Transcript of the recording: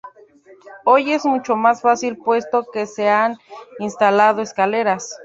Hoy es mucho más fácil puesto que se han instalado escaleras.